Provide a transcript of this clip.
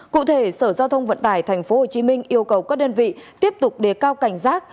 cụ thể sở giao thông vận tải tp hcm yêu cầu các đơn vị tiếp tục đề cao cảnh giác